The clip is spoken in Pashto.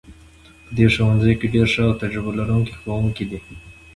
په دې ښوونځي کې ډیر ښه او تجربه لرونکي ښوونکي دي